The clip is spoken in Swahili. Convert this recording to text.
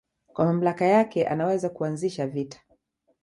kwa mamlaka yake anaweza kuanzisha vita